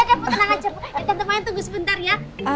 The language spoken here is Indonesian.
iya tante mayang tunggu sebentar ya